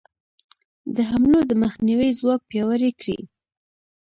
د حملو د مخنیوي ځواک پیاوړی کړي.